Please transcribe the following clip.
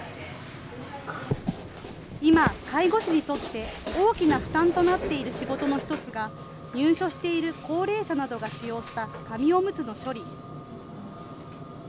今、介護士にとって大きな負担となっている仕事の一つが、入所している高齢者などが使用した紙おむつの処理。